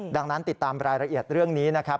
ดังนั้นติดตามรายละเอียดเรื่องนี้นะครับ